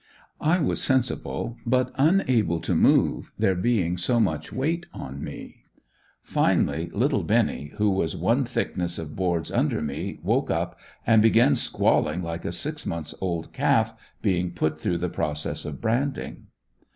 I was sensible, but unable to move, there being so much weight on me. Finally little Benny who was one thickness of boards under me woke up and began squalling like a six months old calf being put through the process of branding.